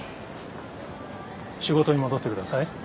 仕事に戻ってください。